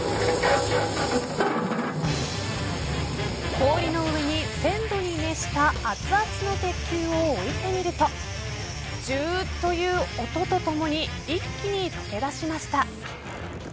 氷の上に１０００度に熱した熱々の鉄球を置いてみるとジューという音とともに一気に溶け出しました。